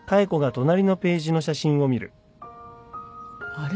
あれ？